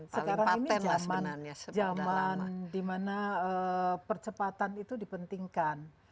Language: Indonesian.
sekarang ini zaman di mana percepatan itu dipentingkan